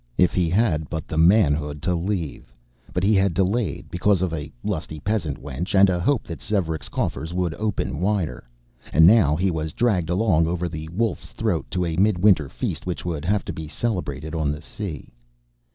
If he had but had the manhood to leave But he had delayed, because of a lusty peasant wench and a hope that Svearek's coffers would open wider; and now he was dragged along over the Wolf's Throat to a midwinter feast which would have to be celebrated on the sea.